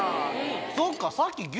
そっか。